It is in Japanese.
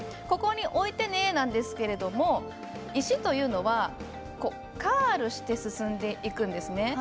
ここに置いてねなんですけども石というのはカールして進んでいくんです。